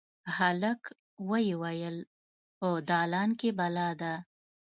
هلک ویې ویل: «په دالان کې بلا ده.»